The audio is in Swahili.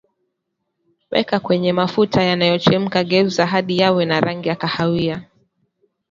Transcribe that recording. Weka kwenye mafuta yanayochemka geuza hadi yawe na rangi ya kahawia